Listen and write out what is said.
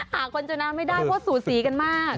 หากคุณชนะไม่ได้เพราะสูสีกันมาก